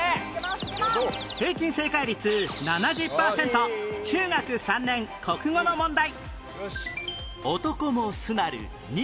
平均正解率７０パーセント中学３年国語の問題